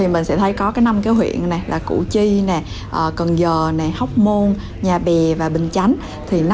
mình sẽ thấy có năm huyện là củ chi cần giờ hóc môn nhà bè và bình chánh